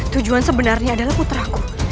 tujuan sebenarnya adalah puteraku